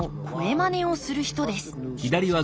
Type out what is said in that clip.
まねをする人です